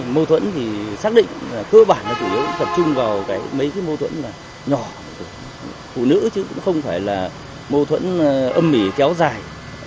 mâu thuẫn thì xác định là cơ bản là chủ yếu tập trung vào cái mấy cái mâu thuẫn là nhỏ của phụ nữ chứ cũng không phải là mâu thuẫn âm ỉ kéo dài